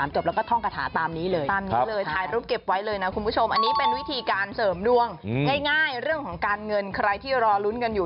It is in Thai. ใจเย็นเราฉายลูกไปก่อนแล้วค่อยไปท่องก็ได้